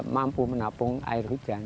saya mampu menapung air hujan